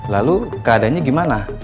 lalu keadanya gimana